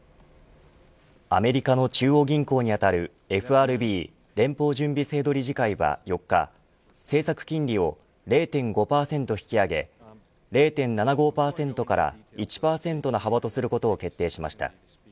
アメリカの中央銀行にあたるＦＲＢ連邦準備制度理事会は４日政策金利を０．５％引き上げ０．７５％から１％の幅とすることを決定しました。